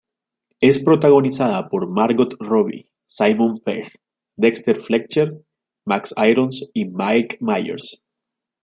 Es protagonizada por Margot Robbie, Simon Pegg, Dexter Fletcher, Max Irons, y Mike Myers.